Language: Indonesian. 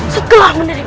setelah menerima jurus